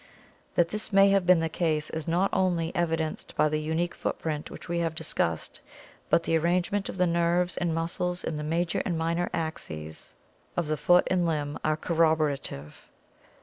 That this may have been the case is not alone evidenced by the unique footprint which we have discussed, but the arrangement of the nerves and muscles and the major and minor axes of the 2 A C 30' 490 ORGANIC EVOLUTION foot and limb are corroborative.